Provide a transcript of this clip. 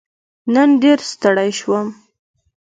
نن ډېر ستړی شوم